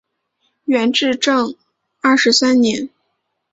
元至正二十三年。